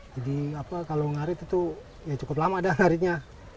jadi apa kalau ngarit itu ya cukup lama dah naritnya